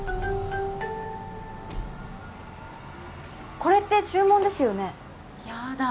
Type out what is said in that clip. これって注文ですよねやだ